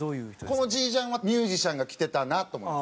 このジージャンはミュージシャンが着てたなと。